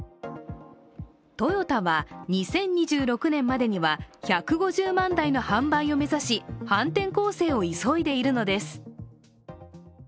トヨタは２０２６年までには１５０万台の販売を目指し反転攻勢を急いでいるのです。